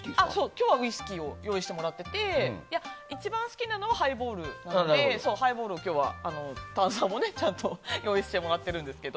今日はウイスキーを用意してもらってて一番好きなのはハイボールなので今日はハイボールの炭酸もちゃんと用意してもらってるんですけど。